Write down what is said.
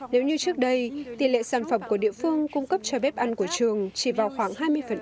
nếu như trước đây tỷ lệ sản phẩm của địa phương cung cấp cho bếp ăn của trường chỉ vào khoảng hai mươi